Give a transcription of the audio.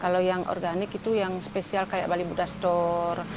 kalau yang organik itu yang spesial kayak bali buta store